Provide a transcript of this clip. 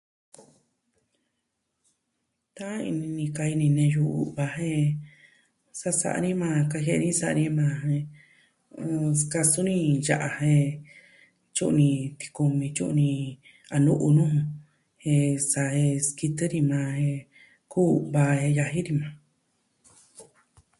Ta'an ini ni ka neyu u'va jen... sa sa'a ni maa kajie'e ni sa'a ni maa jen ɨɨn, skasun ya'a jen tyu'un ni tikumi, tyu'u ni a nɨ'ɨ nuu ju jen saa e skitɨ ni maa jen... koo va jen yaji ni maa.